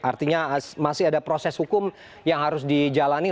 artinya masih ada proses hukum yang harus dijalani